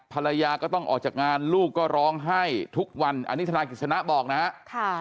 ภรรยาก็ต้องออกจากงานลูกก็ร้องไห้ทุกวันอันนี้ธนายกิจสนะบอกนะครับ